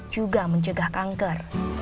juga menjaga kanker